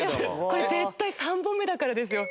これ絶対３本目だからですよ。